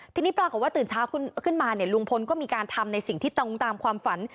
ทีนี้ปรากฏว่าตื่นเช้าขึ้นมาเนี่ยลุงพลก็มีการทำในสิ่งที่ตรงตามความฝัน